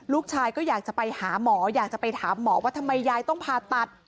ลูกชายก็อยากจะไปหาหมออยากจะไปถามหมอว่าทำไมยายต้องผ่าตัด